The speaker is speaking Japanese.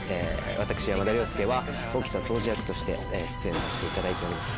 私山田涼介は沖田総司役として出演させていただいております。